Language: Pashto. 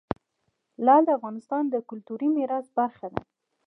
لعل د افغانستان د کلتوري میراث برخه ده.